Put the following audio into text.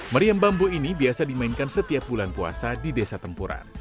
meriam bambu ini biasa dimainkan setiap bulan puasa di desa tempuran